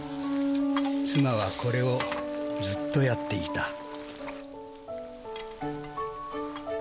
妻はこれをずっとやっていた。